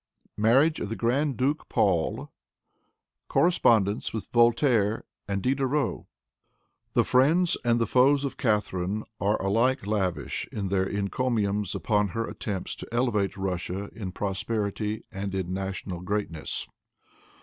Marriage of the Grand Duke Paul. Correspondence with Voltaire and Diderot. The friends and the foes of Catharine are alike lavish in their encomiums upon her attempts to elevate Russia in prosperity and in national greatness.